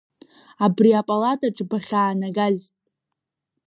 Абри апалатаҿ бахьаанагаз!